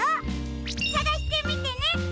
さがしてみてね！